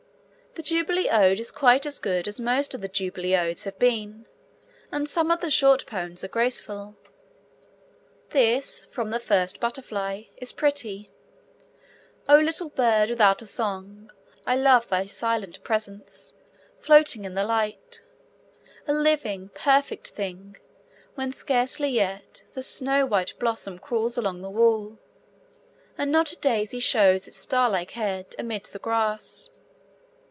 The Jubilee Ode is quite as good as most of the Jubilee Odes have been, and some of the short poems are graceful. This from The First Butterfly is pretty: O little bird without a song! I love Thy silent presence, floating in the light A living, perfect thing, when scarcely yet The snow white blossom crawls along the wall, And not a daisy shows its star like head Amid the grass.